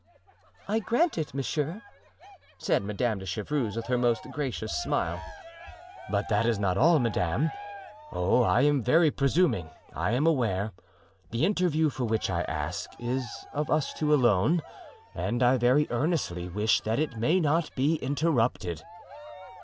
"I grant it, monsieur," replied Madame de Chevreuse with her most gracious smile. "But that is not all, madame. Oh, I am very presuming, I am aware. The interview for which I ask is of us two alone, and I very earnestly wish that it may not be interrupted."